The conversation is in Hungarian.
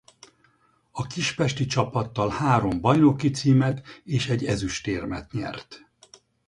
A kispesti csapattal három bajnoki címet és egy ezüstérmet nyert.